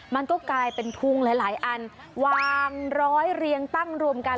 มันก็กลายเป็นทุงหลายอันวางร้อยเรียงตั้งรวมกัน